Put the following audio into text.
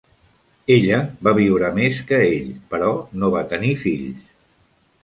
Ella va viure més que ell, però no va tenir fills.